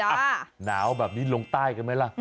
หนาวแบบนี้ลงใต้กันไหมล่ะ